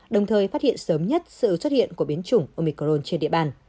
đồng thời phát hiện sớm nhất sự xuất hiện của biến chủng omicron trên địa bàn